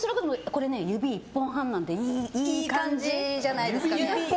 これ指１本半なのでいい感じじゃないですかね。